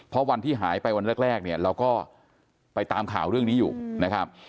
เพราะวันที่หายไปวันแรกเนี่ยเราก็ไปตามข่าวเรื่องนี้อยู่นะครับ